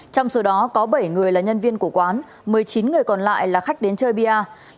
trong số đó có bảy người là nhân viên của quán một mươi chín người còn lại là khách đến chơi bia